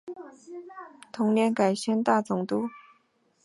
同年改宣大总督。